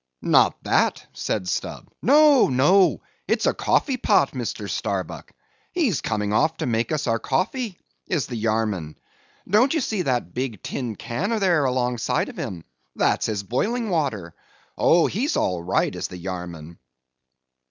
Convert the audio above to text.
"Not that," said Stubb, "no, no, it's a coffee pot, Mr. Starbuck; he's coming off to make us our coffee, is the Yarman; don't you see that big tin can there alongside of him?—that's his boiling water. Oh! he's all right, is the Yarman."